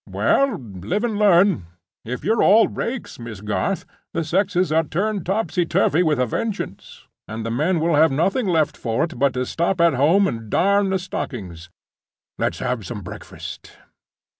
"Well; live and learn. If you're all rakes, Miss Garth, the sexes are turned topsy turvy with a vengeance; and the men will have nothing left for it but to stop at home and darn the stockings.—Let's have some breakfast."